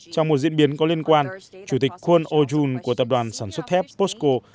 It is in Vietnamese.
trong một diễn biến có liên quan chủ tịch kwon oh jun của tập đoàn sản xuất thép posco